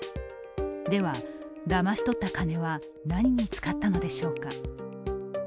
では、だまし取った金は何に使ったのでしょうか？